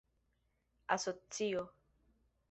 asocio